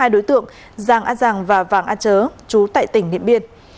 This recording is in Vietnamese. hai đối tượng giang á giang và vàng á chớ chú tại tỉnh niệm biên